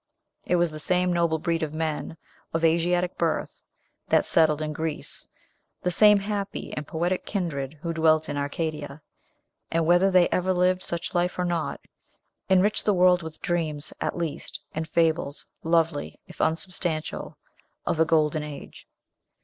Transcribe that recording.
It was the same noble breed of men, of Asiatic birth, that settled in Greece; the same happy and poetic kindred who dwelt in Arcadia, and whether they ever lived such life or not enriched the world with dreams, at least, and fables, lovely, if unsubstantial, of a Golden Age.